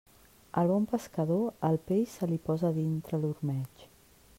Al bon pescador, el peix se li posa dintre l'ormeig.